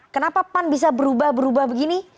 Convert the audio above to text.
kenapa pan bisa berubah berubah begini